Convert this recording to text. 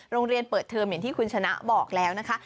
โรงเรียนเปิดเทอมอย่างที่คุณชนะบอกแล้วนะคะ